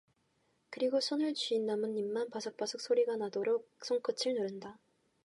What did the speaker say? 그리고 손에 쥔 나뭇잎만 바삭바삭 소리가 나도록 손끝으로 누른다.